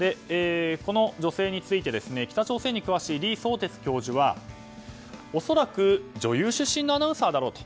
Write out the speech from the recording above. この女性について北朝鮮に詳しい李相哲教授は恐らく女優出身のアナウンサーだろうと。